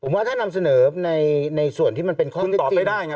ผมว่าถ้านำเสนอในส่วนที่มันเป็นข้อเท็จจริง